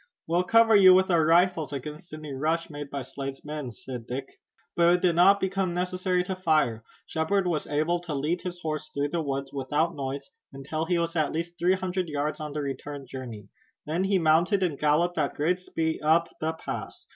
"We'll cover you with our rifles against any rush made by Slade's men," said Dick. But it did not become necessary to fire. Shepard was able to lead his horse through the woods without noise, until he was at least three hundred yards on the return journey. Then he mounted and galloped at great speed up the pass.